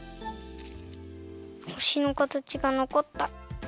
ほしのかたちがのこった！